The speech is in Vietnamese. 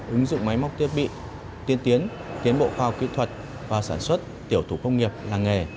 ứng dụng máy móc thiết bị tiên tiến tiến bộ khoa học kỹ thuật vào sản xuất tiểu thủ công nghiệp làng nghề